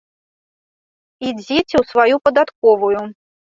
Ідзіце ў сваю падатковую.